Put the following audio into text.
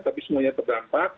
tapi semuanya terdampak